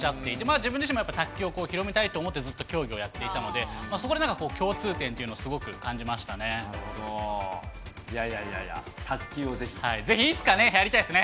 自分自身も卓球を広めたいと思って、ずっと競技をやっていたので、そこでなんかこう共通点というのをすごく感じまいやいやいやいや、卓球をぜいつかね、やりたいですね。